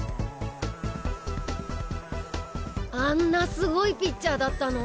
あんなすごいピッチャーだったの？